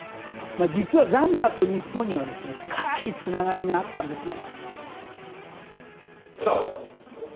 ザンダーと日本には深いつながりがあったんですね。